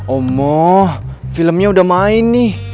omo filmnya udah main nih